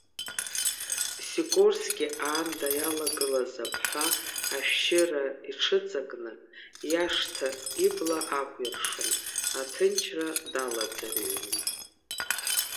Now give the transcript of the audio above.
Сикорски аанда иалагылаз абҳәа ашәшьыра иҽыҵакны, иашҭа ибла акәиршон, аҭынчра далаӡырҩуан…